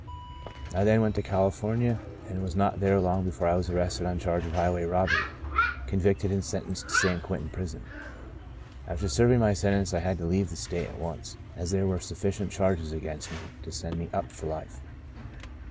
I then went to California, and was not there long before I was arrested on a charge of highway robbery, convicted, and sentenced to San Quentin prison. After serv ing my sentence I had to leave the state at once, as there were sufficient charges against me to send me * up ' for life.